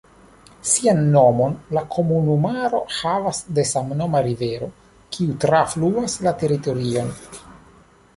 Sian nomon la komunumaro havas de samnoma rivero, kiu trafluas la teritorion.